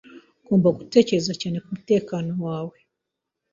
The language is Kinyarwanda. Ugomba gutekereza cyane kumutekano wawe.